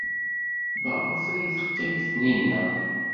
Maɣef ay teqqim Taninna?